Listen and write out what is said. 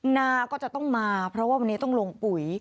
นาก็จะต้องมาเพราะว่าวันนี้ต้องลงปุ๋ย